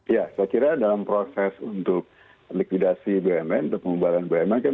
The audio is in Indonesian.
ya saya kira dalam proses untuk likidasi bumn untuk pembaharan bumn